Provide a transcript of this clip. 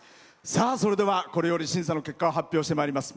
それでは、これより審査の結果を発表してまいります。